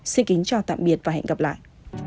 xin kính chào tạm biệt và hẹn gặp lại